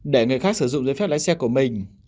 để người khác sử dụng giấy phép lái xe của mình